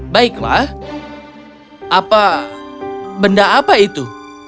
baiklah apa benda apa itu